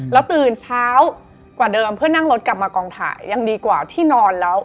แล้วตื่นเช้ากว่าเดิมเพื่อนั่งรถกลับมากองถ่ายยังดีกว่าที่นอนแล้ว